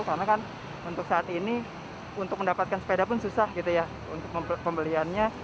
karena kan untuk saat ini untuk mendapatkan sepeda pun susah gitu ya untuk pembeliannya